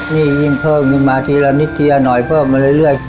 นี่ยิ่งเพิ่มขึ้นมาทีละนิดทีละหน่อยเพิ่มมาเรื่อย